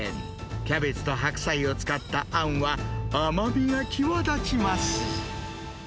キャベツと白菜を使ったあんは、甘みが際立ちます。